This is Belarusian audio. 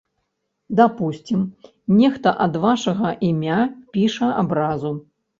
Дапусцім, нехта ад вашага імя піша абразу.